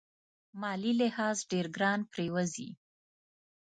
مالي لحاظ ډېر ګران پرېوزي.